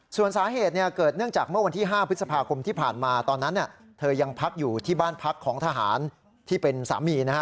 ส่วนสาเหตุเกิดเนื่องจากเมื่อวันที่๕พฤษภาคมที่ผ่านมาตอนนั้นเธอยังพักอยู่ที่บ้านพักของทหารที่เป็นสามีนะฮะ